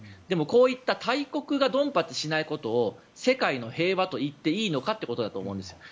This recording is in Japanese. でもこういった大国がドンパチしないことを世界の平和といっていいのかということだと思うんです。